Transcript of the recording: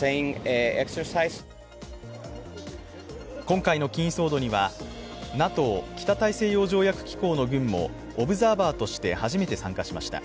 今回のキーン・ソードにはＮＡＴＯ＝北大西洋条約機構の軍もオブザーバーとして初めて参加しました。